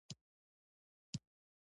وخت زموږ د تجربې بڼه ټاکي.